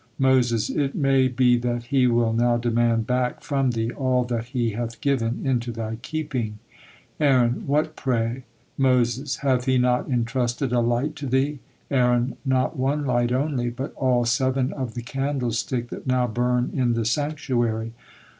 Moses: "It may be that He will now demand back from thee all that He hath given into thy keeping." Aaron: "What, pray?" Moses: "Hath He not entrusted a light to thee?" Aaron: "Not one light only but all seven of the candlestick that now burn in the sanctuary."